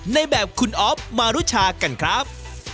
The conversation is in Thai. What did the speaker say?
ในแบบคุณอ๊อฟมารุชากันครับ